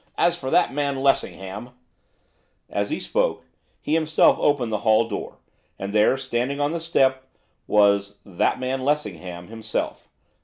As for that man, Lessingham ' As he spoke, he himself opened the hall door, and there, standing on the step was 'that man Lessingham' himself.